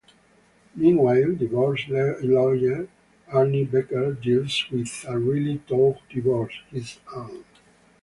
Meanwhile, divorce lawyer Arnie Becker deals with a really tough divorce: his own.